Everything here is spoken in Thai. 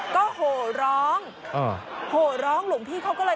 ก็โหร้องโหร้องหลวงพี่เขาก็เลย